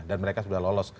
dan mereka sudah lolos